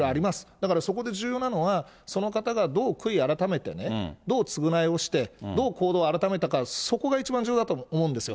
だからそこで重要なのは、その方がどう悔い改めてね、どう償いをして、どう行動を改めたか、そこが一番重要だと思うんですよ。